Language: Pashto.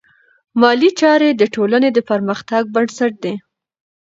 مالي چارې د ټولنې د پرمختګ بنسټ دی.